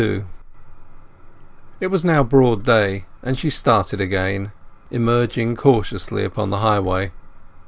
XLII It was now broad day, and she started again, emerging cautiously upon the highway.